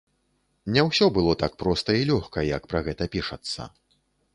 Не ўсё было так проста і лёгка, як пра гэта пішацца.